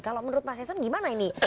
kalau menurut pak sison gimana ini